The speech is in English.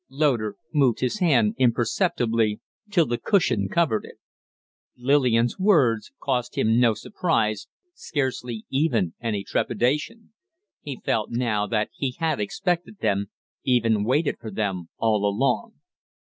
Loder moved his hand imperceptibly till the cushion covered it. Lillian's words caused him no surprise, scarcely even any trepidation. He felt now that he had expected them, even waited for them, all along.